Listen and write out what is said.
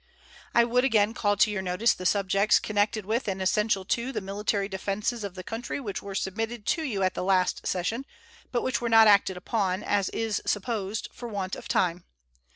I would again call to your notice the subjects connected with and essential to the military defenses of the country which were submitted to you at the last session, but which were not acted upon, as is supposed, for want of time.